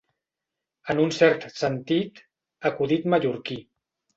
En un cert sentit, acudit mallorquí.